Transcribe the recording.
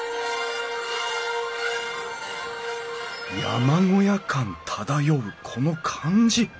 山小屋感漂うこの感じ！